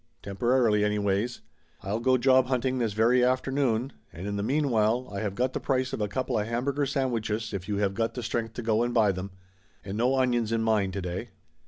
Temporarily, anyways. I'll go job hunting this very afternoon, and in the meanwhile I have got the price of a coupla hamburger sandwiches if you have got the strength to go and buy them and no onions in mine to day!"